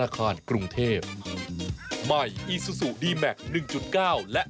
ข้าวใส่ไข่สดใหม่ให้เยอะ